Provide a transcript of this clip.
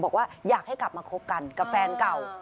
บอกว่าอยากให้กลับมาคบกันกับแฟนเก่า